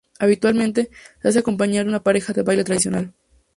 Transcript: Habitualmente, se hace acompañar de una pareja de baile tradicional.